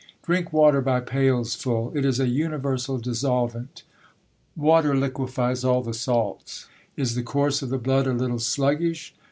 Drink water by pails full, it is a universal dissolvent ; water liquefies all the salts. Is the course of the blood a little sluggish